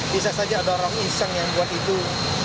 bisa saja ada orang iseng yang buat itu